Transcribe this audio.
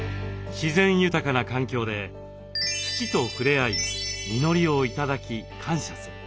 自然豊かな環境で土と触れ合い実りを頂き感謝する。